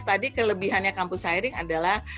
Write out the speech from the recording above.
tadi kelebihannya kampus hairing adalah